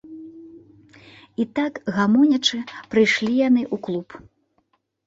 І так, гамонячы, прыйшлі яны ў клуб.